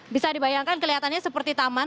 bisa dibayangkan kelihatannya seperti taman